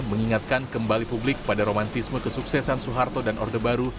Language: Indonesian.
mengingatkan kembali publik pada romantisme kesuksesan soeharto dan orde baru